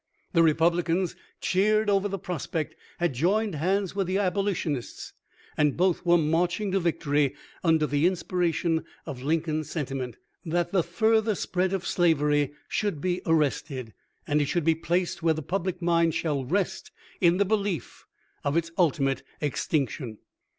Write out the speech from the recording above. The Republicans, cheered over the prospect, had joined hands with the Abolitionists, and both were marching to victory under the inspiration of Lincoln's sentiment, that " the further spread of slavery should be arrested, and it should be placed where the public mind shall rest in the belief of its ultimate extinction."